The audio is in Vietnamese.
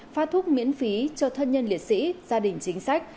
phát thuốc miễn phí cho thân nhân liệt sĩ gia đình chính sách